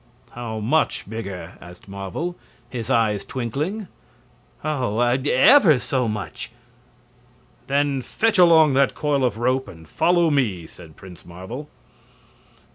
"How much bigger?" asked Marvel, his eyes twinkling. "Oh, ever so much!" "Then fetch along that coil of rope, and follow me," said Prince Marvel.